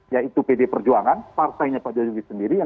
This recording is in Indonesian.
yaitu pd perjuangan partainya pak jokowi sendiri